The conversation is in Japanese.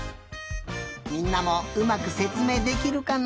みんなもうまくせつめいできるかな？